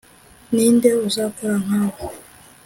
ninde uzakora nkawe???